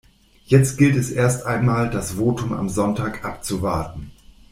Jetzt gilt es erst einmal, das Votum am Sonntag abzuwarten.